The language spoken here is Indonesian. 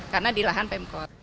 karena di lahan pemkot